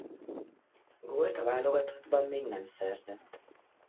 Gólt a válogatottban még nem szerzett.